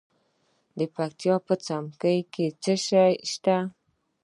د پکتیا په څمکنیو کې څه شی شته؟